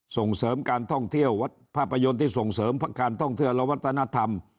ส่งเสริมการท่องเที่ยววัดภาพยนตร์ที่ส่งเสริมการท่องเที่ยวและวัฒนธรรม